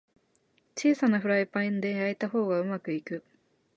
小さなフライパンで焼いた方がうまくいく